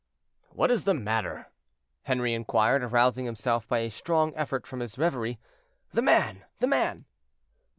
"What is the matter?" Henri inquired, arousing himself by a strong effort from his reverie. "The man! the man!"